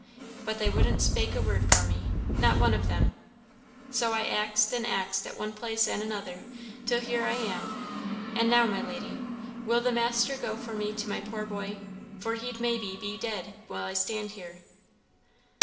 But they wouldn't spake a word for me, not one of them; so I axed an' axed at one place an' other, till here I am. An' now, my lady, will the master go for me to my poor boy? for he'd maybe be dead while I stand here."